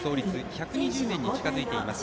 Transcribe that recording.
１２０年に近づいています。